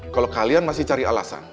kalau kalian masih cari alasan